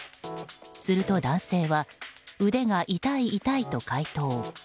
すると男性は腕が痛い、痛いと回答。